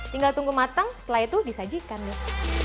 tinggal tunggu matang setelah itu disajikan deh